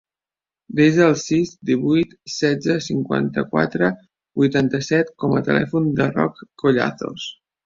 Desa el sis, divuit, setze, cinquanta-quatre, vuitanta-set com a telèfon del Roc Collazos.